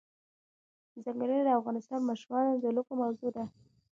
ځنګلونه د افغان ماشومانو د لوبو موضوع ده.